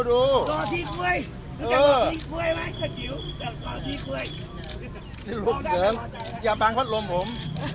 รูปเสิร์ศอย่าปังพัดลมผม